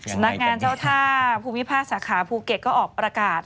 เจ้าท่าภูมิภาคสาขาภูเก็ตก็ออกประกาศ